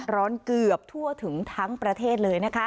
เกือบทั่วถึงทั้งประเทศเลยนะคะ